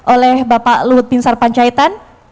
oleh bapak luhut pinsar pancaitan